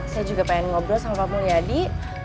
saya juga pengen ngobrol sama pak mulyadi